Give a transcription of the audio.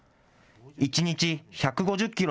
１日１５０キロ